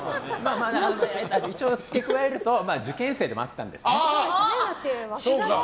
一応、付け加えると受験生でもあったんですね。